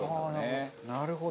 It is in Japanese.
なるほど。